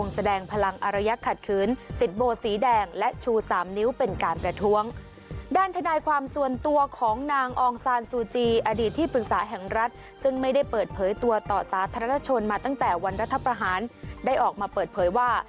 ซึ่งไม่ได้เปิดเผยตัวต่อสาธารณชนมาตั้งแต่วันรัฐประหารได้ออกมาเปิดเผยว่า